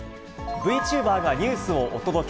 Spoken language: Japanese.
Ｖチューバーがニュースをお届け。